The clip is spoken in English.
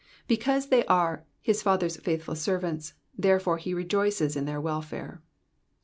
Because they are his Father's servants, therefore he rejoices in their welfare.